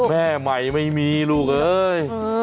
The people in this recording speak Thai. แม่ใหม่ไม่มีลูกเอ้ย